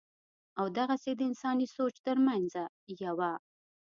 او دغسې دَانساني سوچ تر مېنځه يوه